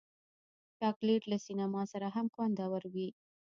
چاکلېټ له سینما سره هم خوندور وي.